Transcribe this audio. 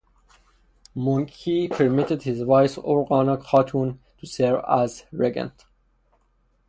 Mongke permitted his wife Orghana Khatun to serve as regent.